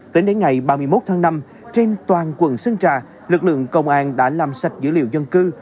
tính đến ngày ba mươi một tháng năm trên toàn quận sơn trà lực lượng công an đã làm sạch dữ liệu dân cư